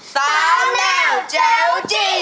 สาวแนวแจ๋วจีน